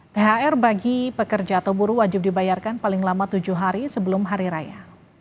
thr bagi pekerja atau buruh wajib dibayarkan paling lama tujuh hari sebelum hari raya